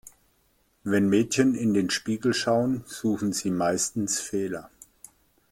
Wenn Mädchen in den Spiegel schauen, suchen sie meistens Fehler.